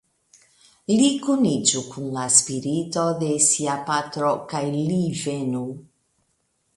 Li kuniĝu kun la spirito de sia patro kaj li venu!